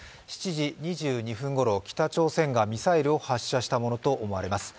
７時２２分ごろ、北朝鮮がミサイルを発射したものとみられます。